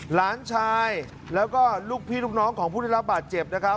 หลานชายแล้วก็ลูกพี่ลูกน้องของผู้ได้รับบาดเจ็บนะครับ